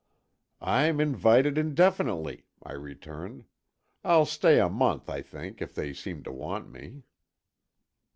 "I'm invited indefinitely," I returned. "I'll stay a month, I think, if they seem to want me."